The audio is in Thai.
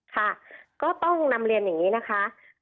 ค่ะก็ต้องนำเรียนอย่างนี้นะคะ